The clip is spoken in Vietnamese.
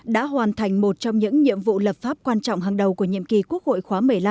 đã hoàn thành một trong những nhiệm vụ lập pháp quan trọng hàng đầu của nhiệm kỳ quốc hội khóa một mươi năm